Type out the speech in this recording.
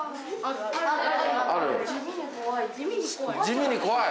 地味に怖い？